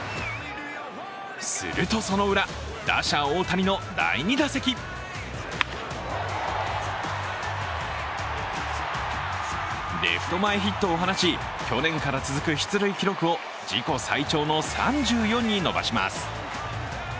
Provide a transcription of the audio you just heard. するとそのウラ、打者・大谷の第２打席レフト前ヒットを放ち去年から続く出塁記録を自己最長の３４に伸ばします。